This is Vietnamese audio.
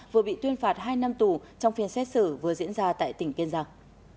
vừa bị tuyên phạt hai năm tù trong phiên xét xử vừa diễn ra tại tỉnh kiên giang